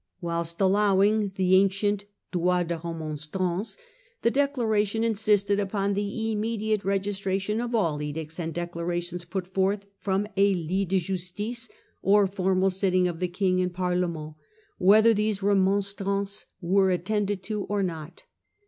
Whilst allowing the ancient droit de remontrances % the declaration insisted upon the immediate registration of all edicts and declarations put forth from a lit de justice , or formal sitting of the King and Parlement , whether those remontrances were attended to or not.